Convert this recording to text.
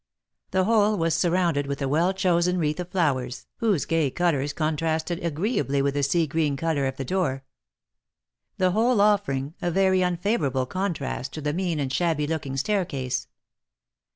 The whole was surrounded with a well chosen wreath of flowers, whose gay colours contrasted agreeably with the sea green colour of the door; the whole offering a very unfavourable contrast to the mean and shabby looking staircase.